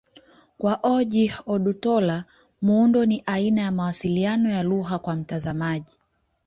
Kwa Ojih Odutola, muundo ni aina ya mawasiliano na lugha kwa mtazamaji.